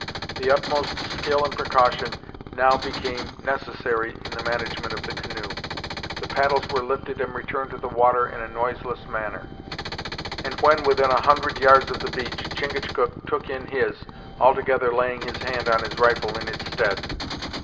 The utmost skill and precaution now became necessary in the management of the canoe. The paddles were lifted and returned to the water in a noiseless manner; and when within a hundred yards of the beach, Chingachgook took in his, altogether laying his hand on his rifle in its stead.